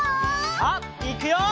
さあいくよ！